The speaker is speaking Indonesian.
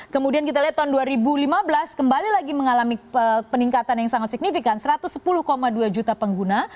kemudian kita lihat tahun dua ribu lima belas kembali lagi mengalami peningkatan yang sangat signifikan satu ratus sepuluh dua juta pengguna